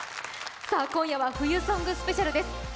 今夜は冬ソングスペシャルです。